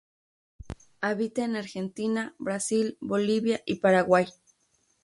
Habita en Argentina, Brasil, Bolivia y Paraguay.